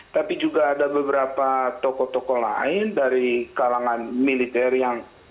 tapi juga ada beberapa tokoh tokoh lain dari kalangan militer yang